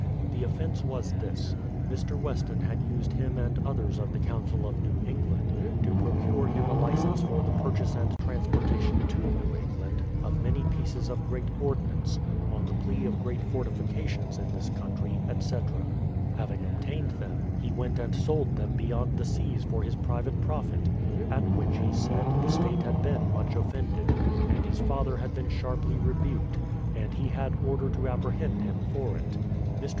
The offence was this : Mr. Weston had used him and others of the Council of New England, to procure him a license for the purchase and transportation to New England of many pieces of great ordnance, on the plea of great fortifications in this country, etc. Having obtained them, he went and sold them beyond the seas for his private profit; at which, he said, the State had been much offended, and his father 128 BRADFORD'S HISTORY OF had been sharply rebuked, and he had order to apprehend him for it. Mr.